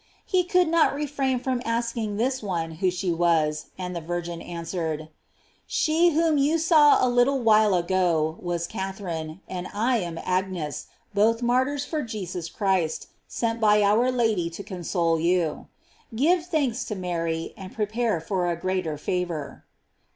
He could not refrain from asking this one who she was, and the virgin answered : <kShe whom you saw a little while ago was Cather ine, and I am Agnes, both martyrs for Jesus Christ, sent by our Lady to console you. Give thanks to Mary, and prepare for a greater favor."